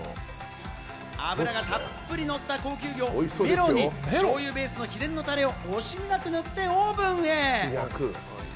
脂がたっぷりのった高級魚・メロにしょうゆベースの秘伝のタレを惜しみなく塗ってオーブンへ。